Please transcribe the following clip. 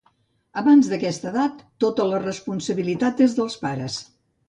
Abans d'aquesta edat, tota la responsabilitat és dels pares.